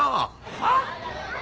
はっ？